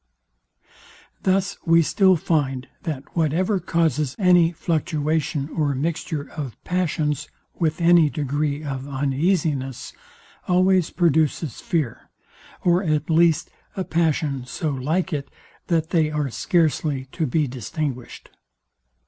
Thus we still find, that whatever causes any fluctuation or mixture of passions, with any degree of uneasiness, always produces fear, or at least a passion so like it, that they are scarcely to be distinguished.